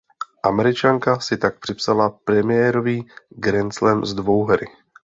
Američanka si tak připsala premiérový grandslam z dvouhry.